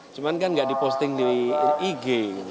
cuman kan tidak diposting di ig